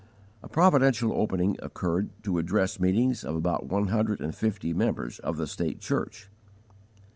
A providential opening occurred to address meetings of about one hundred and fifty members of the state church.